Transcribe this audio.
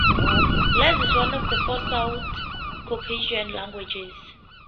Laz is one of the four South Caucasian languages.